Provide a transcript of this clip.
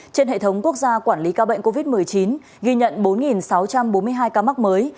trên hệ thống quốc gia quản lý ca bệnh covid một mươi chín ghi nhận bốn sáu trăm bốn mươi hai ca mắc mới